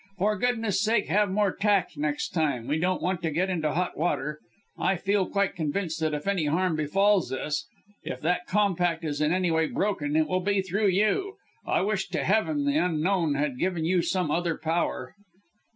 For goodness sake have more tact another time, we don't want to get into hot water. I feel quite convinced that if any harm befalls us if that compact is in any way broken it will be through you. I wish to heaven the Unknown had given you some other power."